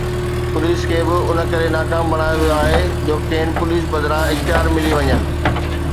police کي به ان ڪري ناڪام بڻايو ويو آهي جو کين پوليس بدران اختيار ملي وڃن